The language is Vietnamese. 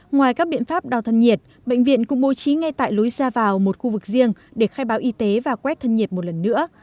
ngoài các biện pháp đo thân nhiệt bệnh viện cũng bố trí ngay tại lối ra vào một khu vực riêng để khai báo y tế và quét thân nhiệt một lần nữa